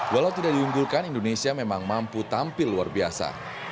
walau tidak diunggulkan indonesia memang mampu tampil luar biasa